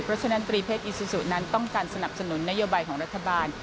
เพราะฉะนั้นตรีเศษอิซูซูนั้นต้องการสนับสนุนนโยบายของรัฐบาล